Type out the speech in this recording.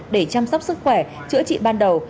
để chăm sóc sức khỏe chữa trị ban đầu